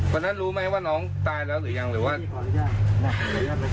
วันนั้นรู้ไหมว่าน้องตายแล้วยังหรือว่า